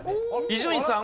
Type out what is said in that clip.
伊集院さん！